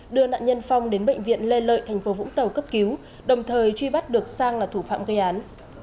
đưa nạn nhân phong đến bệnh viện lê lợi thành phố vũng tàu cấp cứu đồng thời truy bắt được sang là thủ phạm ghe án